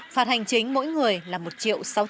phạt hành chính mỗi người là một triệu